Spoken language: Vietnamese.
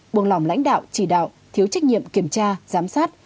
buồng lòng lãnh đạo chỉ đạo thiếu trách nhiệm kiểm tra giám sát